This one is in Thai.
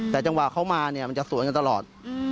แต่จังหวะเขามาเนี่ยมันจะสวนกันตลอด